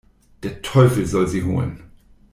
Der Teufel soll sie holen!